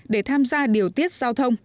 để tham gia điều tiết giao thông